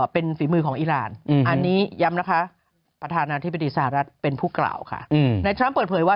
เป็นฝีมือของอิรานอันนี้ย้ำนะคะประธานาธิบดีสหรัฐเป็นผู้กล่าวค่ะ